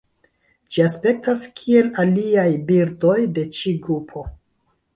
Ĝi aspektas kiel aliaj birdoj de ĉi grupo.